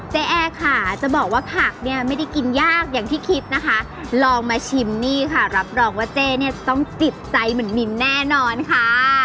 แอร์ค่ะจะบอกว่าผักเนี่ยไม่ได้กินยากอย่างที่คิดนะคะลองมาชิมนี่ค่ะรับรองว่าเจ๊เนี่ยต้องจิตใจเหมือนมินแน่นอนค่ะ